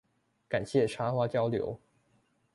感謝插花交流